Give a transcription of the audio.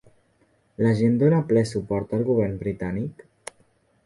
La gent dóna ple suport al govern britànic?